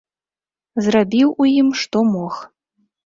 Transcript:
Зрабіў у ім, што мог.